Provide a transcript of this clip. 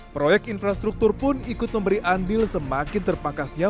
proyek infrastruktur pun ikut memberi andil semakin terpangkasnya